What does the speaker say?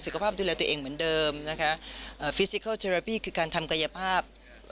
สุขภาพดูแลตัวเองเหมือนเดิมนะคะคือการทำกัยภาพ